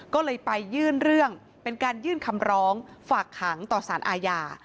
ก็เลยไปยื่นเรื่องเป็นการยื่นคำร้องฝากขังต่อสารอาญา